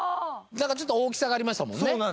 何かちょっと大きさがありましたもんね